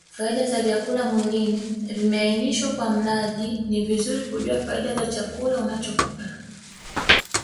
Faida za vyakula mwilini vimeanishwa Kwa mlaji ni vizuri kujua faida za chakula unachokula